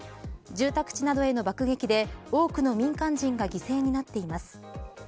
住宅地などへの爆撃で多くの民間人が犠牲になっています。